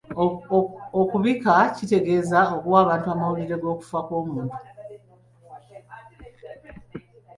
Okubika kitegeeza okuwa abantu amawulire g’okufa kw’omuntu.